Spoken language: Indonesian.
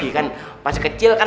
kan pas kecil kan